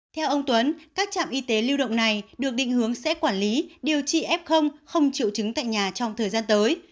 theo ông tuấn các trạm y tế lưu động này được định hướng sẽ quản lý điều trị f không triệu chứng tại nhà trong thời gian tới